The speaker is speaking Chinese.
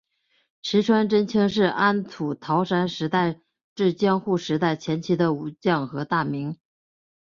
石川贞清是安土桃山时代至江户时代前期的武将和大名。